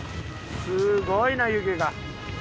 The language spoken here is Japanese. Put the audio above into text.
すごいな湯気が。